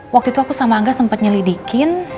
waktu itu aku sama angga sempat nyelidikin